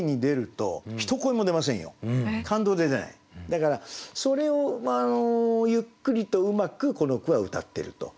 だからそれをゆっくりとうまくこの句はうたってると。